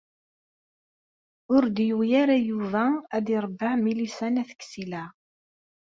Ur d-yewwi ara Yuba ad irebbeɛ Milisa n At Ksila.